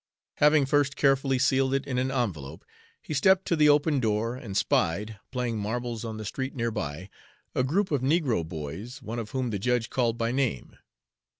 Having first carefully sealed it in an envelope, he stepped to the open door, and spied, playing marbles on the street near by, a group of negro boys, one of whom the judge called by name.